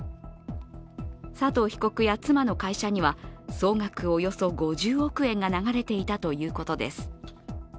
佐藤被告や妻の会社には、総額およそ５０億円が流れていたということです。